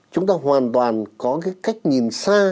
chúng ta hoàn toàn có cái cách nhìn xa